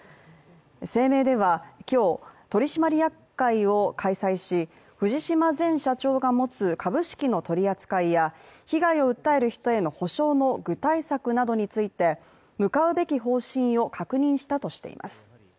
声明では今日、取締役会を開催し藤島前社長が持つ株式の取り扱いや被害を訴える人への補償の具体策について、向かうべき方針を確認したとしています。